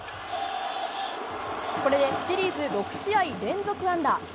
これでシリーズ６試合連続安打。